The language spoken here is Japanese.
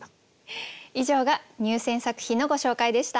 以上が入選作品のご紹介でした。